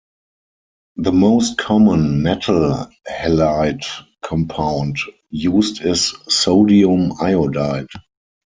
The most common metal halide compound used is sodium iodide.